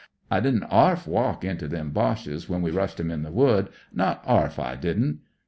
I didn't arf walk into them Boches when we rushed 'em in the Wood ; not arf, I didn't.